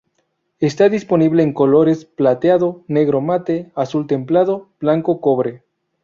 Está disponible en colores blanco plateado, negro mate, azul templado, blanco cobre.